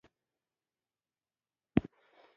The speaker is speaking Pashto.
د ملا انډیوالي تر شکرانې وي